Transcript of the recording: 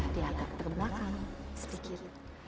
dia tak terbelakang sedikit